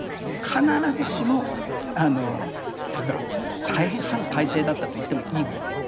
必ずしもあのというか大変反体制だったと言ってもいいぐらいです。